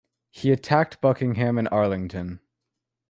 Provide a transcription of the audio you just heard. He attacked Buckingham and Arlington.